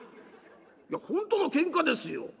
「いや本当のケンカですよ」。